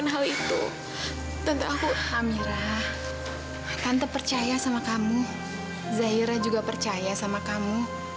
zahira juga percaya sama kamu